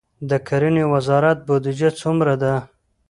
د کرنې وزارت بودیجه څومره ده؟